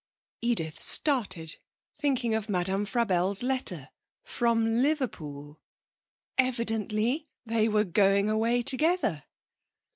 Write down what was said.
Edith started, thinking of Madame Frabelle's letter ... from Liverpool! Evidently they were going away together.